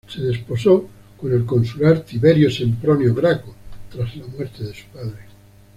Se desposó con el consular Tiberio Sempronio Graco tras la muerte de su padre.